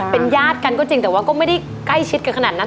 เป็นญาติกันก็จริงแต่ว่าก็ไม่ได้ใกล้ชิดกันขนาดนั้น